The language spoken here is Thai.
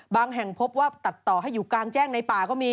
แห่งพบว่าตัดต่อให้อยู่กลางแจ้งในป่าก็มี